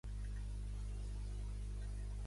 La seu del consell es troba a la ciutat de Strabane.